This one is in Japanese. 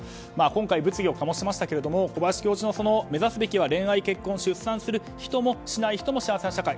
今回、物議を醸しましたけども小林教授の目指すべきは恋愛、結婚、出産する人もしない人も幸せな社会。